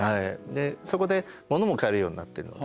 でそこで物も買えるようになってるので。